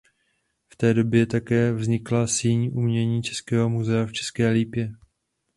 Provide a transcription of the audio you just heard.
V té době také vznikla Síň umění českého muzea v České Lípě.